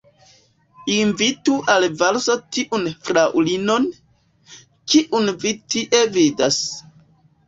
Invitu al valso tiun fraŭlinon, kiun vi tie vidas.